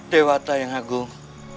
dewata yang agung